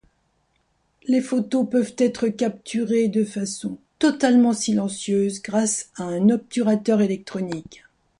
Les photos peuvent être capturées de façon totalement silencieuses grâce à un obturateur électronique.